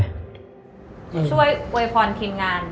ช่วยอวยพรทีมงาน